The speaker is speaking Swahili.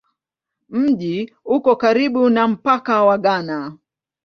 Mji uko karibu na mpaka wa Ghana.